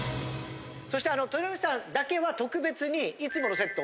そして豊ノ島さんだけは特別にいつものセット。